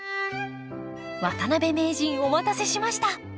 渡辺名人お待たせしました！